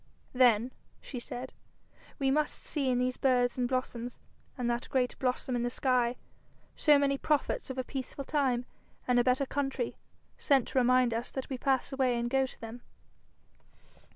'Then,' she said, 'we must see in these birds and blossoms, and that great blossom in the sky, so many prophets of a peaceful time and a better country, sent to remind us that we pass away and go to them.'